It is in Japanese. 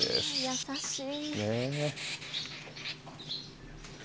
優しい。